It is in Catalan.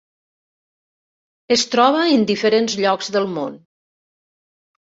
Es troba en diferents llocs del món.